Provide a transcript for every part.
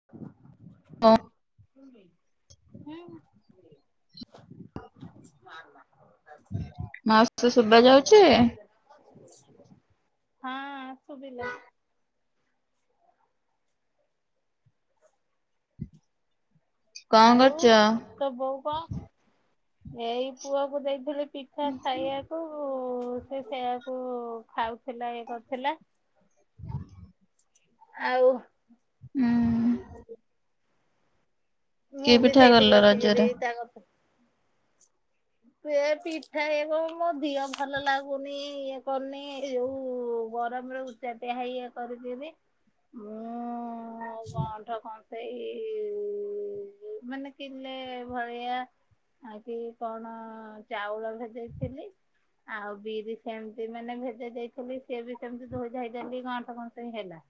[unintelligible] ହଁ ନା ନା ମାଉସୀ [unintelligible] ଶୁଭା ଯାଉଛି ହଁ ଶୁଭିଲା। କଣ କରୁଚ? ତ ବୋଉ କ, ଏଇ ପୁଅକୁ ଦେଇଥିଲି ପିଠା ଖାଇବାକୁ। ଉ, ସେ ସେୟାକୁ ଖାଉଥିଲା ଇଏ କରିଥିଲା। ଆଉ ଉଁ, ମୁଁ କି ବି ପିଠା ସେଇଠି କଲ ବସିକିରି ରଜରେ? ତା କତ ଏ ପିଠା ଏ କଣ ମୋ ଦିଅ ଭଲ ଲାଗୁନି ଇଏ କରୁନି ଏଇ ଯୋଉ ଗରମରୁ ଉଚ୍ଚାଟିଆ ହେଇ ଇଏ କରୁଚି ବି। ମୁଁ ଗଣ୍ଠ କସେଇ ଇ, ଏଇ ମାନେ କିିଲେ ଭଳିଆ ଆଉ କି କଣ ଚାଉଳ ଭେଦେଇଥିଲି। ଆଉ ବିରି ସେମିତି ମାନେ ଭେଦେଇ ଦେଇଥିଲି ସିଏ ବି ସେମିତି ଧୋଇ ଧାଇ ଦେଲି ଗଅଠ କଁସେ ହିଁ ହେଲା।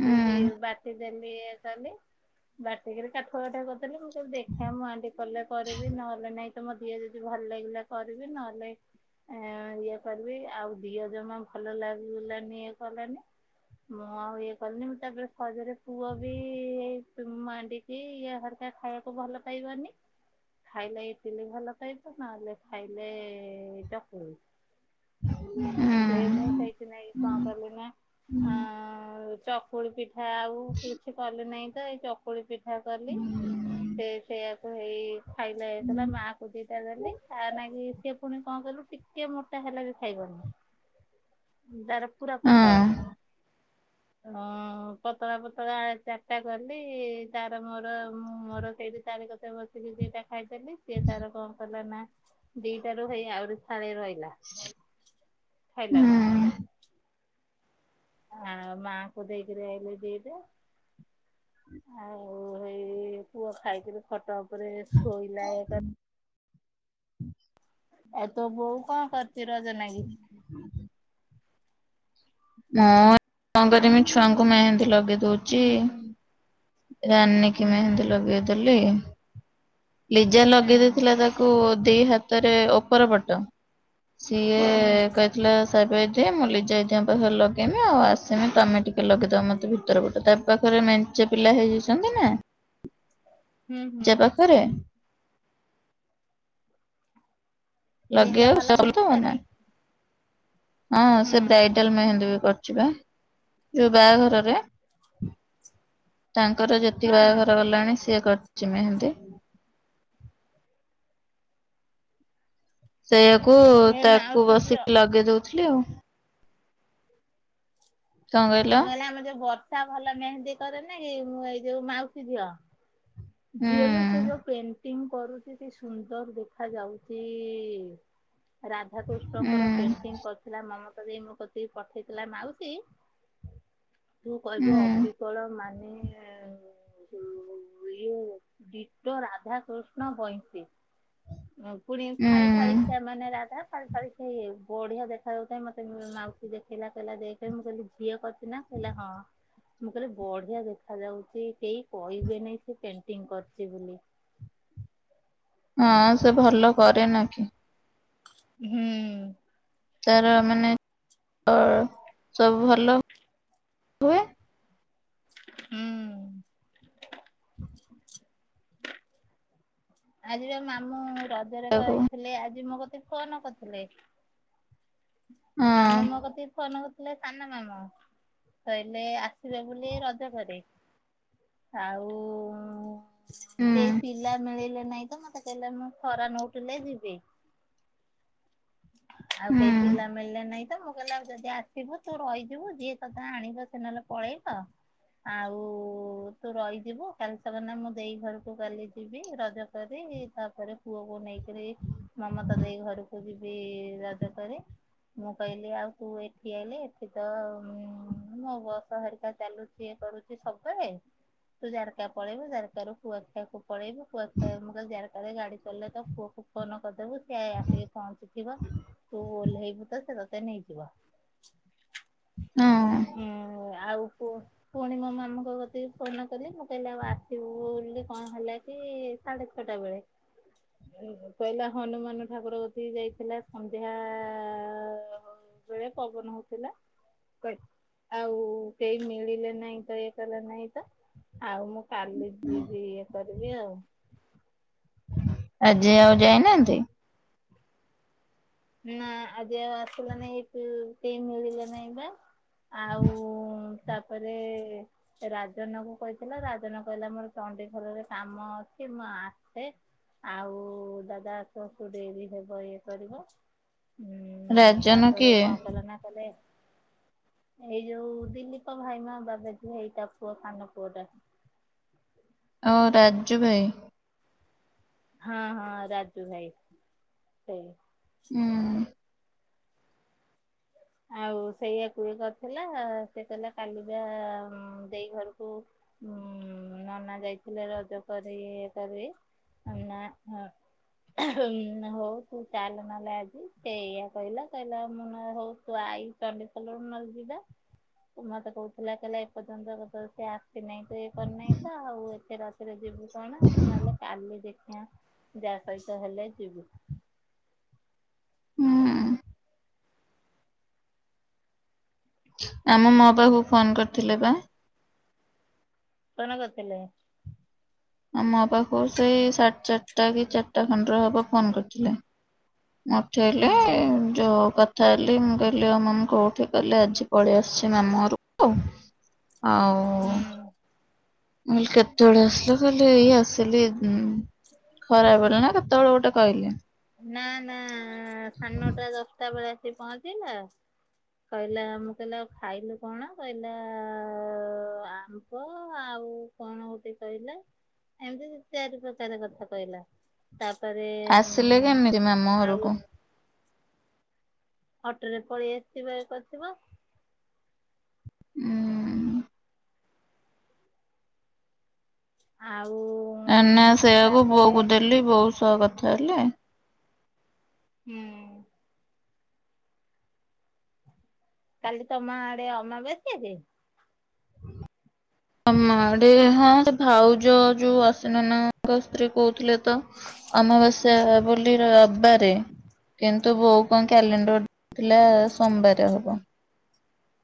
ଉଁ ଦି- ବାଟି ଦେଲି ଏ କାଲି, ବାଟି କିରି କାଠ [unintelligible] କରିଦେଲି ଆଉ। ତ ଦେଖେ ମୁଁ ଆଜି କଲେ କରିବି ନହେଲେ ନାଇଁ ତ ମୋ ଦିଅ ଯଦି ଭଲ ଲାଗିଲା କରିବି। ନହେଲେ ଏ ଇଏ କରିବି ଆଉ ଦିଅ ଜମା ଭଲ ଲାଗିଲାନି ଇଏ କଲାନି। ମୁଁ ଆଉ ଇଏ କଲିନି ମୁଁ ତାପରେ ସଜରେ ପୁଅ ବି ତ ମାଣ୍ଡି କି ଇଏ ହେରକା ଖାଇବାକୁ ଭଲ ପାଇବନି। ଖାଇଲେ ଇଟିଲି ଭଲ ଖାଇବ, ନହେଲେ ଖାଇଲେ ଚକୁଳି। ଉଁ ସେ ମୁଁ ସେଇଥିନାଗି କଣ କଲିନା ଆଁ, ଚ କୁଳି ପିଠା ଆଉ କିଛି କଲି ନାହିଁ ତ ଏଇ ଚକୁଳି ପିଠା କଲି। ଉଁ ସେ ସେଇଆ ହେଇ ଖାଇଲେ ହେଲା ମା କୁ ଦିଟା ଦେଲି, ତା ନାଗି ସିଏ ପୁଣି କଣ କହିଲୁ ଟିକେ ମୋଟା ହେଲେ ବି ଖାଇବନି। ତାର ପୁରା ପତଳା। ଉଁ ହଁ ପତଳା ପତଳା ଚାରିଟା କଲି ତାର ମୋର ମୁଁ ମୋର ସେଇଠି ତାରି କ ତେ ବସିକି ଦିଇଟା ଖାଇଦେଲି ସିଏ ତାର କଣ କଲା ନା ଦିଇଟାରୁ ହେଇ ଆହୁରି ଫାଳେ ରହି ଲା ଖାଇଲାନି। ଆଁ ମାଙ୍କୁ ଦେଇକିରି ଆଇଲି ଦିଇଟା। ଆଉ ଏଇ ପୁଅ ଖାଇକିରି ଖଟ ଉପରେ ଶୋଇଲା ଏ ଆଉ ତୋ ବୋଉ କଣ କରିଚି ରଜ ନାଗି? ମୁଁ କଣ କରିମି ଛୁଆଙ୍କୁ ମେହେନ୍ଦୀ ଲଗେଇ ଦୋଉଚି। ରାନୀ କି ହୁଁ ମେହନ୍ଦୀ ଲଗେଇଦେଲି। ଲିଜା ହୁଁ ଲଗେଇ ଦେଇଥିଲା ତାକୁ ଦିଇ ହାତରେ ଓପର ପଟ। ସିଏ ହୁଁ କହିଥିଲା ସାପେଇ ଦେ ମୁଁ ଲିଜା ଇଦିଙ୍କ ପାଖରେ ଲଗେଇମି ଆଉ ଆସିମି ତମେ ଟିକେ ଲଗେଇଦବ ମୋତେ ଭିତର ପଟ ଟା ପାଖରେ ମେ ଚେ ପିଲା ହେଇଯାଇଚନ୍ତି ନା? ହୁଁ ହୁଁ। ଲିଜା ପାଖରେ ଲିଜା ଲଗେଇବାକୁ ଭଲ ସେ [unintelligible] ମେହେନ୍ଦି ଦବ କରେ ନା ହଁ ହୁଁ ସେ ହୁଁ ବ୍ରାଇଡାଲ ମେହେନ୍ଦୀ ବି କ ଛି ପା ଯୋଉ ବାହାଘରରେ। ତାଙ୍କର ଯେତିକି ବାହାଘର ହଁ ଗଲାଣି ସିଏ କରିଚି ମେହିନ୍ଦୀ। ସେଇଆକୁ ଏ ତାକୁ ମାଉସୀ ଝିଅ ବସିକି ଲଗେଇ ଦୋଉଥିଲି ଆଉ। କଣ କହିଲ ମୁଁ କହିଲା ଆମ ଯୋଉ ବର୍ଷା ଭଲ ମେହେନ୍ଦୀ କରେନି କି ମୁଁ ଏଇ ଯୋଉ ମାଉସୀ ଝିଅ ହୁଁ ଝିଅଲୋ ସେ ଯୋଉ ପେଣ୍ଟିଂ କରୁ ସିଏ କି ସୁନ୍ଦର ଦେଖା ଯାଉଚି ହୁଁ ରାଧାକୃଷ୍ଣଙ୍କର ପେଣ୍ଟିଙ୍ଗ କ ଥିଲା ମମତା ଦେଇ ମୋ କତିିକି ପଠେଇଥିଲା ମାଉସୀ। ତୁ ହୁଁ କହିବୁ ଅବି ଷୋଳ ମାନେ ଯୋଉ ଇଏ ଡିଟୋ ରାଧାକୃଷ୍ଣ ବଇଁଶୀ ପୁଣି ଖାଇ ଶାଳୀ ଖିଆ ହୁଁ ମାନେ ରାଧା ଶାଳୀ ଖିଆ ଇଏ ବଢିଆ ଦେଖା ଯାଉଥାଏ। ମତେ ମାଉସୀ ଦେଖେଇଲା କହିଲା ଦେ ଯେ ମୁଁ କହିଲି ଝିଅ କ ସିନା କହିଲା ହଁ ମୁଁ କହିଲି ବଢିଆ ଦେଖା ଯାଉଚି କେହି କହିବେନି ସେ ପେଣ୍ଟିଂ କରିଚି ବୋଲି। ହଁ ସେ ଭଲ କରେ ନା କି? ହୁଁ। ତାର ମାନେ ଅ ସବୁ ଭଲ। ହୁଏ ହୁଁ। ଆଜି ବା ମାମୁଁ ରଜରେ ତାକୁ କହିଥିଲେ ଆଜି ମୋ କତିକି ଫୋନ କରିଥିଲେ। ହଁ ମାମୁଁ ମୋ କତିକି ଫୋନ୍ କ ଥିଲେ ସାନ ମାମୁଁ କହିଲେ ଆସିବେ ବୋଲି ରଜ ପରେ। ଆଉ ହୁଁ କେହି ପିଲା ମିଳିଲେ ନାହିଁ ତ ମତେ କହିଲେ ମୁଁ ଖରା ନୋଉଟିଲେ ଯିବି। ଆଉ କେହି ହୁଁ ପିଲା ମିଳିଲେ ନେଇଁ ମୁଁ କହିଲି ଯଦି ଆସିବୁ ତୁ ରହିଯିବୁ ଯିଏ ତତେ ଆଣିବ ସିଏ ନହେଲେ ପଳେଇବ। ଆଉ ତୁ ରହିଯିବୁ କାଲି ସକାନେ ମୁଁ ଦେଇ ଘରକୁ କାଲି ଯିବି ରଜ କରି ତାପରେ ପୁଅକୁ ନେଇକିରି ମମତା ଦେଇ ଘରକୁ ଯିବ ବି ରାଜ ତରେ। ମୁଁ କହିଲି ଆଉ ତୁ ଏଠି ଆଇଲେ ଏଠି ତ ମୋ ବସ ହେରିକା ଚାଲୁଚି। ସିଏ କରୁଚି ସବୁବେଳେ। ତୁ ଜାରକା ପଳେଇବୁ ଜାରକାରୁ କୁଆଖିଆକୁ ପଳେଇବୁ କୁଆଖିଆ ମୁଁ କହିଲି ଜାରକା ରେ ଗାଡି ଚାଲଲେ ତ ପୁଅକୁ ଫୋନ କରଦୋବୁ ସିଆ ଆସିକି ପହଞ୍ଚି [unintelligible] ତୁ ଓହ୍ଲେଇବୁ ତ ସେ ତତେ ନେଇଯିବା। ହଁ। ଆଉ ପୁ ପୁଣି ମୋ ମାମୁଙ୍କ କତିକି ଫୋନ କଲି ମୁଁ କହିଲି ଆଉ ଆସିବୁ ବୋଲି କଣ ହେଲା କି ସାଢେ ଛଅଟା ବେଳେ କହିଲା ହନୁମାନ ଠାକୁର କତିକି ଯାଇ ଥିଲା ସନ୍ଧ୍ୟା ବେଳେ ପବନ ହଉଥିଲା। ଆଉ କେହି ମିଳିଲେ ନାହିଁ ତ ଇଏ କଲେ ନାହିଁ ତ ଆଉ ମୁଁ କାଲି ଯିବି ଇଏ କରିବି ଆଉ ଆଜି ଆଉ ଯାଇନାହାନ୍ତି? ନା ଆଜି ଆଉ ଆସିଲା ନାଇଁ କେହୀ ମିଳିଲା ନାହିଁ ବା। ଆଉ ତାପରେ ସେ ରାଜନଙ୍କୁ କହିଥିଲା ରାଜନ କହିଲା ମୋର ଚଣ୍ଡିଖୋଲରେ କାମ ଅଛି ମୁଁ ଆସେ ଆଉ ଦାଦା ଆସୁ ଡେରି ହେବ ଇଏ କରିବ ହୁଁ ରାଜନ ତାପରେ କିଏ କଣ କହିଲା ନା କହିଲେ ଏଇ ଯୋଉ ଦିଲୀପ ଭାଇ ମା ବାବାଜି ଏଇଟା ପୁଅ ସାନ ପୁଅ ଟା। ଓ ରାଜୁ ଭାଇ ହଁ ହଁ ରାଜୁ ଭାଇ ସେଇ ହୁଁ। ଆଉ ସେଇଆକୁ ଇ କରିଥିଲା ସେ କହିଲା କାଲିିଜା ଦେଇ ଘରକୁ ହୁଁ ନନା ଯାଇଥିଲେ ରଜ କରି ଇଏ କରିବି। ଆ ନା ହଁ। ଉ ହଉ ତୁ ଚାଲ ନହେଲେ ଆଜି ସେ ଏଇଆ କହିଲା କହିଲା ମୁଁ ହଉ ତୁ ଆଇଲେ ଚଣ୍ଡିଖୋଲରୁ ନହେଲେ ଯିବା। ମତେ କହୁଥିଲା କହିଲେ ଏପର୍ଯ୍ୟନ୍ତ ସେ ଆସିନାହିଁ ତ ଇଏ କରିନାହିଁ ତ ଆଉ ଏତେ ରାତିରେ ଯିବୁ କଣ ମୁଁ ନହେଲେ କାଲି ଦେଖିବା ଯାହା ସହିତ ହେଲେ ଯିବୁ ହୁଁ। ଆମ ମୋ ପାଖକୁ ଫୋନ କରିଥିଲେ ବା ଫୋନ କରିଥିଲେ? ଆ ମୋ ପାଖକୁ ସେଇ ସାଢେ ଚାରିଟା କି ଚାରିଟା ପନ୍ଦର ହବ ଫୋନ କରିଥିଲେ। ହୁଁ [unintelligible] କଥା ହେଲି ମୁଁ କହିଲି ଆଉ ମାମୁଁ କୋଉଠି କହୀଲେ ଆଜି ପଳେଇ ଆସିଛି ମାମୁଁ ଘରକୁ ଆଉ ହୁଁ। ମୁ କେତେବେଳେ ଆସିଲା କହିଲେ ଏଇ ଆସିଲି ହୁଁ ଖରା ବେଳେ ନା କେତେବେଳେ ଗୋଟେ କହିଲେ। ନା ନା ସାଡେ ନଟା ଦଶଟା ବେଳେ ଆସିି ପହଞ୍ଚିଲା କହିଲା ମୁଁ କହିଲି ଆଉ ଖାଇଲୁ କଣ କହିଲା ଆମ୍ବ ଆଉ କଣ ଗୋଟେ କହିଲା ଏମିତି ଚାରି ପ୍ରକାର କଥା କହିଲା। ତାପରେ ଆସିଲେ ଉଁ କେମିତି ମାମୁଁ ଆଉ ଘରକୁ? ଅଟୋ ରେ ପଳେଇ ଆସିଥିବେ କରିଥିବ ଉଁ। ଆଉ। ଏ ନା ସେଇଆକୁ ବୋଉ ତାପରେ କୁ ଦେଲି ବୋଉ ସହ କଥା ହେଲେ। ହୁଁ। କାଲି ତମ ଆଡେ ଅମାବାସ୍ୟା ଯେ? ଆମ ଆଡେ, ହଁ ଭାଉଜ ଯୋଉ ଆସ ନନା ଙ୍କ ସ୍ତ୍ରୀ କହୁଥିଲେ ତ ଆମବାସ୍ୟା ହୁଁ ହବ କାଲି ରବିବାରେ କିନ୍ତୁ ବୋଉ କଣ କ୍ୟାଲେଣ୍ଡର ଥିଲା ସୋମବାରେ ହବ।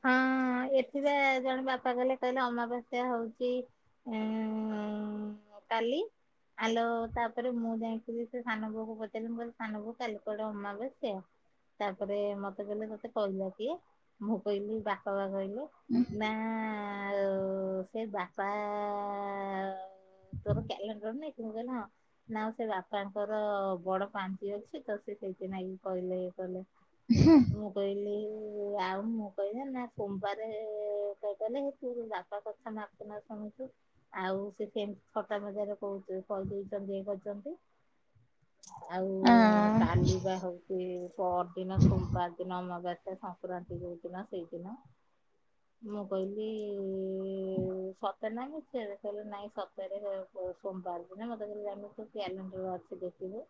ହଁ ଏଥି ବା ଜଣେ ବାପା କହିଲେ କହିଲେ ଅମାବାସ୍ୟା ହଉଛି ଉଁ କାଲି। ଆଲୋ ତାପରେ ମୁଁ ଯାଇକି ସେ ସାନ ବୋଉ କୁ ପଚାରିଲି ମୁ କହିଲି ସାନ ବୋଉ କାଲି କୁଆଡେ ଅମାବାସ୍ୟା? ତାପରେ ମତେ କହିଲେ ତତେ କହିଲା କିଏ? ମୁଁ କହିଲି ବାପା ବା କହିଲେ। ନା ତ ସେ ବାପା ତୋର କ୍ୟାଲେଣ୍ଡର ନାଇଁ କି? ମୁଁ କହିଲି ହଁ। ନା ଆଉ ସେ ବାପାଙ୍କର ବଡ ପାଞ୍ଜି ଅଛି ତ ସେ ସେଇଥି ନାଗି କଇଲେ କହିଲେ। ହୁଁ। ମୁଁ କହିଲି ଆଉ ମୁଁ କହିଲେ ନା ସୋମବାର କ କହିଲେ ତୁ ବାପା କଥା ମାପନା ଶୁଣୁଛୁ। ଆଉ ସେ ସେମିତି ଥଟା ମଜାରେ କହୁ କହିଦଉଛନ୍ତି ଇଏ କରିଛନ୍ତି। ଆଉ ହଁ କାଲିବା ହଉଛି ପରଦିନ ସୋମବାର ଦିନ ଅମାବାସ୍ୟା ସ ସଂକ୍ରାନ୍ତି ଯୋଉଦିନ ସେଇଦିନ। ମୁଁ କହିଲି ସତେ ନା ମିଛରେ? କହିଲେ ନାଇଁ ସତରେ ସୋମବାର ଦିନ ମତେ କହିଲେ ଜାଉନୁ ତୁ କ୍ୟାଲେଣ୍ଡର ଅଛି ଦେଖିବୁ।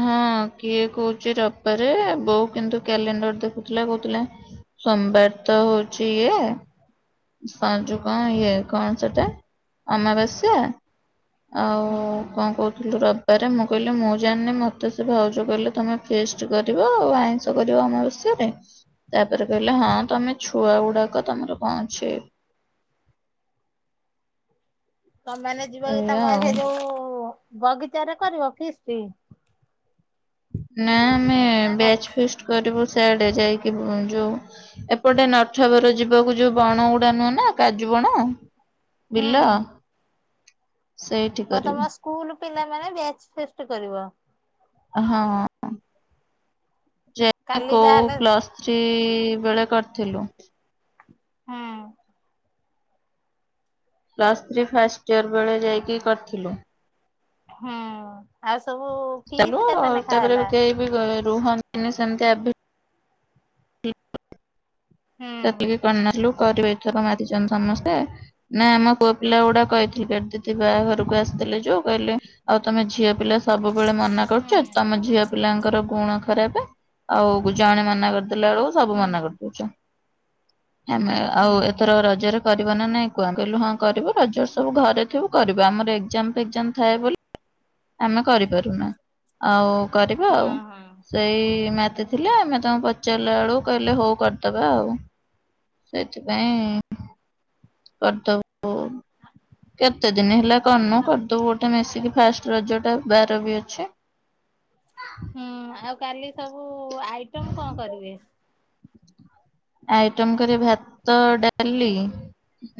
ହଁ କିଏ କହୁଛି ରବବାରେ ବୋଉ କିନ୍ତୁ କ୍ୟାଲେଣ୍ଡର ଦେଖୁଥିଲା କହୁଥିଲା ସୋମବାର ତ ହଉଚି ଇଏ ସଜୁ କଣ ହଁ ଇଏ କଣ ସେଟା ଅମାବାସ୍ୟା। ଆଉ ହଁ କଣ? କହୁଥିଲୁ ରବବାରେ ମୁଁ କହିଲି ମୁଁ ଜାଣିନି ମତେ ସେ ଭାଉଜ କହିଲେ ତମେ ଫିଷ୍ଟ କରିବ ଆଉ ଆଇଁସ କରିବ ଅମାବାସ୍ୟାରେ? ତାପରେ କହିଲେ ହଁ ତମେ ଛୁଆ ଗୁଡାକ ତମର କଣ ଅଛି। ତମେମାନେ ଯିବ କି ଏଇଆ ତମର ଆଉ ସେ ଯୋଉ ବଗିଚାରେ କରିବ ଫିଷ୍ଟ? ନା ଆମେ ନା କଣ ବ୍ୟାଚ ଫିଷ୍ଟ କରିବୁ ସିଆଡେ ଯାଇକି ଯୋଉ ଏପଟେ ନଠୁଆବର ଯିବାକୁ ଯୋଉ ବଣଗୁଡା ନୁହଁ ନା କାଜୁ ବଣ? ହୁଁ ବିଲ ସେଇଠି ଆଉ କରିବୁ ତମ ସ୍କୁଲ ପିଲାମାନେ ବ୍ୟାଚ ଫିଷ୍ଟ କରିବ? ଓ ହଁ। କାଲି କୋଉ ତାହେଲେ ପ୍ଲସ୍ ଥ୍ରୀ ବେଳେ କରିଥିଲୁ। ହଁ। ପ୍ଲସ୍ ଥ୍ରୀ ଫାଷ୍ଟ ଇଅର ବେଳେ ଯାଇକି କରିଥିଲୁ। ହୁଁ ଆଉ ସବୁ ଫିସ୍ କେତେ ନେଖା ତାପରେ ହେଲା? କେହି ରୁହନ୍ତିନି ସେମତି ଏବେ ହୁଁ ସେତିକି କରିନଥିଲୁ କରିବେ ଏଥର ମାତିଛନ୍ତି ସମସ୍ତେ। ନା ଆମ ପୁଅ ପିଲାଗୁଡା କହିଥିଲେ, ବେବି ଦିଦି ବାହା ଘରକୁ ଆସିଥିଲେ ଯୋଉ କହିଲେ ଆଉ ତମେ ଝିଅ ପିଲା ସବୁବେଳେ ମନା କରୁଛ। ହୁଁ ତମ ଝିଅ ପିଲାଙ୍କର ଗୁଣ ଖରାପ ଆଉ ଜଣେ ମନା କରିଦେଲା ବେଳକୁ ସବୁ ହୁଁ ମନା କରିଦଉଚ। ଆମେ ହୁଁ ଆଉ ଏଥର ରଜରେ କରିବ ନା ନାଇଁ କୁଆ କହିଲୁ ହଁ କରିବୁ ରଜ ସବୁ ଘରେ ଥିବୁ କରିବ ଆମର ଏକ୍ଜାମ ଫେକ୍ଜାମ ଥାଏ ବୋଲି ଆମେ କରିପାରୁନା ଆଉ କରିବା ହଁ ଆଉ ହଁ। ସେଇ ମାତି ଥିଲେ ଆମେ ତଙ୍କୁ ପଚାରିଲା ବେଳକୁ କହିଲେ ହଉ କରିଦବା। କରିବାଉ ସେଥିପାଇଁ କରିଦବୁ କେତେ ଦିନ ହେଲା କରିନୁ ଆଉ କରିଦବୁ ଗୋଟେ ଟା ମିଶିକି ଫାଷ୍ଟ ରଜଟା ବାର ବି ଅଛି। ହୁଁ ଆଉ କାଲି ସବୁ ଆଇଟମ୍ କଣ କରିବେ? ଆଇଟମ କରେ ଭାତ ଡାଲି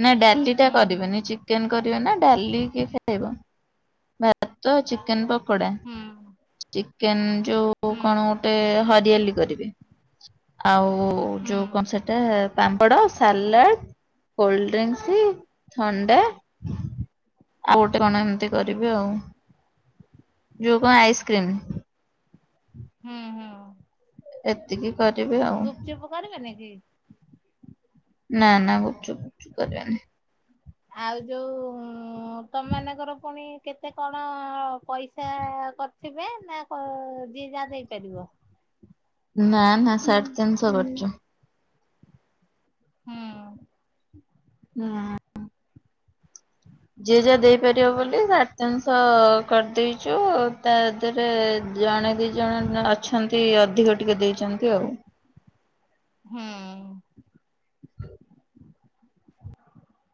ନା ଡାଲିଟା ହୁଁ କରିବେନି ଚିକେନ କରିବେ ନା ଡାଲି କିଏ ଖାଇବ ଭାତ ଚିକେନ ପକୋଡା। ହୁଁ ଚିକେନ ଯୋଉ ହୁଁ କଣ ଗୋଟେ ହରିଆଲି କରିବେ ଆଉ ହୁଁ ଯୋଉ କଣ ସେଟା, ପାମ୍ପଡ, ସାଲାଡ। କୋଲଡଡ୍ରିଙ୍କସ ଥଣ୍ଡା ଆଉ ଗୋଟେ କଣ ଏମିତି ହୁଁ କରିବି ଆଉ ଯୋଉ କଣ ଆଇସ୍କ୍ରିମ? ହୁଁ ହୁଁ। ଏତିକି କରିବି ଆଉ। ଗୁପଚୁପ କରିବେନି କି? ନା ନା ଗୁପୁଚୁପ ଫୁପଚୁପ କରିବାନି। ଆଉ ଯୋଉ ତମାନଙ୍କର ପୁଣି କେତେ କଣ। ପଇସା କରିଥିବେ ନା ଯିଏ ଯାହା ଦେଇପାରିବ। ନା ନା ସାଢେ ତିନିଶହ କରୁଛୁ। ହୁଁ। ହୁଁ। ହୁଁ ଯିଏ ଯାହା ଦେଇପାରିବ ବୋଲି ସାଢେ ତିନିଶ କରିଦେଇଛୁ ତା ଏଥିରେ ଜଣେ ଦି ଜଣ ଅଛନ୍ତି ଅଧିକ ଟିକେ ଦେଇଛନ୍ତି ଆଉ। ହଁ।